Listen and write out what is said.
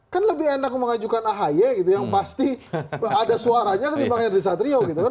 kan lebih enak mengajukan ahy gitu yang pasti ada suaranya ketimbang henry satrio gitu kan